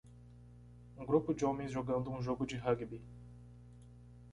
Um grupo de homens jogando um jogo de rugby.